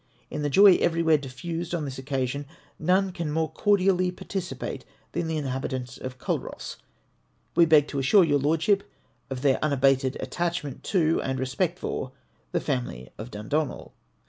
In the joy everywhere diffused on this occasion, none can more cordially participate than the in habitants of Culross ; and we beg to assure your Lordship of their unabated attachment to, and respect for, the family of Dundonald.